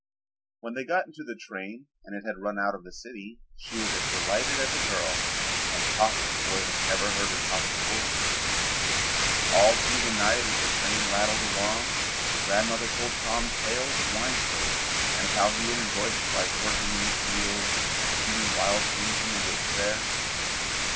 When they got into the train and it had run out of the city she was as delighted as a girl and talked as the boy had never heard her talk before. All through the night as the train rattled along, the grandmother told Tom tales of Winesburg and of how he would enjoy his life working in the fields and shooting wild things in the woods there.